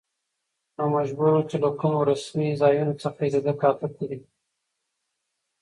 نو مجبور و، چې له کومو رسمي ځايونو څخه يې ليده کاته کړي.